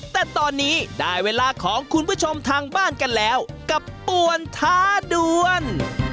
แต่ตอนนี้ได้เวลาของคุณผู้ชมทางบ้านกันแล้วกับป่วนท้าด่วน